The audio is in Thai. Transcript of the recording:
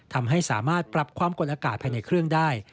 ทำให้สามารถปรับความกดอากาศภายในเครื่องได้